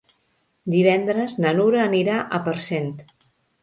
Divendres na Nura anirà a Parcent.